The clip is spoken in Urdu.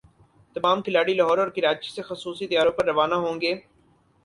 تمام کھلاڑی لاہور اور کراچی سے خصوصی طیاروں پر روانہ ہوں گے